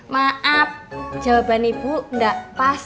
maaf jawaban ibu enggak pas